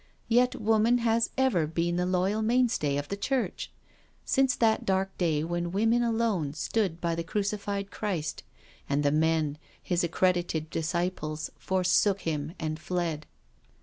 Yet woman has ever been the loyal mainstay of the Church; since that dark day when women alone stood by the Crucified Christ, and the men. His accredited disciples, forsook Him and fled.